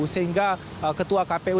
sehingga ketua kpu